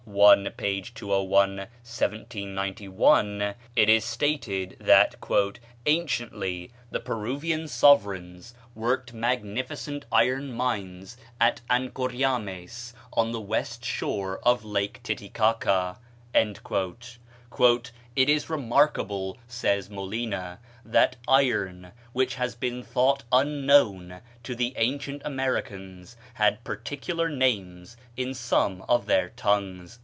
i., p. 201, 1791) it is stated that "anciently the Peruvian sovereigns worked magnificent iron mines at Ancoriames, on the west shore of Lake Titicaca." "It is remarkable," says Molina, "that iron, which has been thought unknown to the ancient Americans, had particular names in some of their tongues."